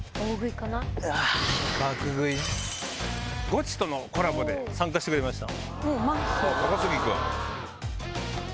ゴチとのコラボで参加してくれました。